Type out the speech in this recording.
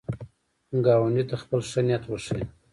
ګاونډي ته خپل ښه نیت وښیه